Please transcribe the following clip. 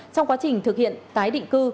trong quá trình thực hiện tái định cư